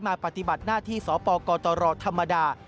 ปฏิบัติหน้าที่สปกตรธรรมดา